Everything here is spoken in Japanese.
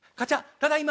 ただいま。